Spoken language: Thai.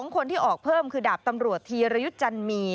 คนที่ออกเพิ่มคือดาบตำรวจธีรยุทธ์จันมี